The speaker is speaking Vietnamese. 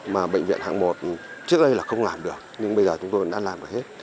mà bệnh viện hạng một trước đây là không làm được nhưng bây giờ chúng tôi đã làm được hết